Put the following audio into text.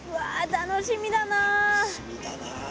楽しみだな。